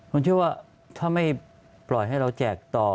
ผมเชื่อว่าถ้าไม่ปล่อยให้เราแจกต่อ